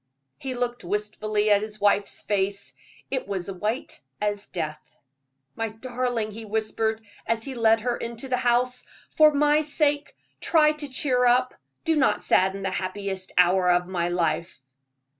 He looked wistfully at his wife's face it was white as death. "My darling," he whispered, as he led her into the house, "for my sake try to cheer up. Do not sadden the happiest hour of my life."